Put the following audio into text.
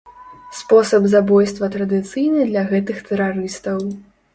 Спосаб забойства традыцыйны для гэтых тэрарыстаў.